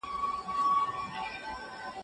او هم په کلتوري لحاظ ئې ګټي خورا مهمي دي.